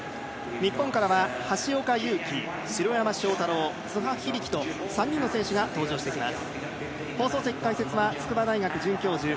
日本からは橋岡優輝、城山正太郎、津波響樹と３人の選手が登場してきます。